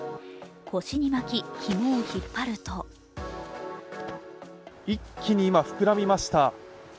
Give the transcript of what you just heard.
腰に巻きひもを引っ張ると一気に今、膨らみました。